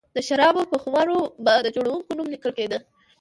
د شرابو پر خُمر و به د جوړوونکي نوم لیکل کېده